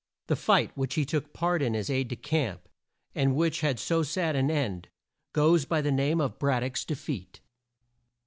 The fight which he took part in as aide de camp, and which had so sad an end, goes by the name of Brad dock's de feat.